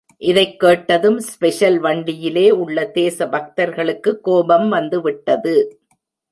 இதைக் கேட்டதும் ஸ்பெஷல் வண்டியிலே உள்ள தேசபக்தர்களுக்கு கோபம் வந்து விட்டது.